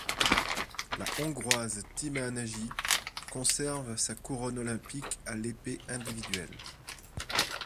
La Hongroise Tímea Nagy conserve sa couronne olympique à l’épée individuel.